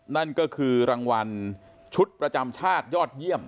นั่นก็คือรางวัลชุดประจำชาติยอดเยี่ยม